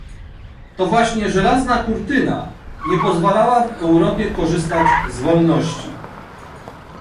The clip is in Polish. To właśnie żelazna kurtyna nie pozwalała w Europie korzystać z wolności